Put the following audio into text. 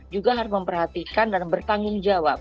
juga harus memperhatikan dan bertanggung jawab